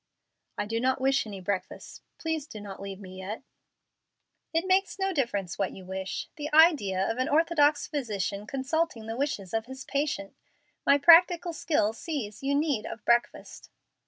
"I do not wish any breakfast. Please do not leave me yet." "It makes no difference what you wish. The idea of an orthodox physician consulting the wishes of his patient! My practical skill sees your need of breakfast."